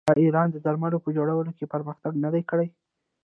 آیا ایران د درملو په جوړولو کې پرمختګ نه دی کړی؟